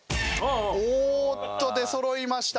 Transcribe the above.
おーっと出そろいました。